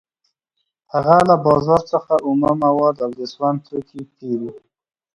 هغه له بازار څخه اومه مواد او د سون توکي پېري